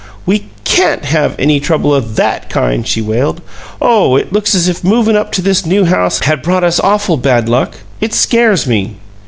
"We CAN'T have any trouble o' THAT kind!" she wailed. "Oh, it looks as if movin' up to this New House had brought us awful bad luck! It scares me!"